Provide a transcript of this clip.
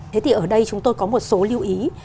thế thì ở đây chúng tôi có một số lưu ý